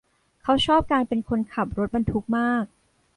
เขาชอบการเป็นคนขับรถบรรทุกมาก